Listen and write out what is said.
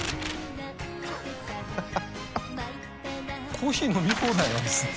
コーヒー飲み放題なんですね。